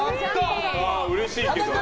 うれしいけど。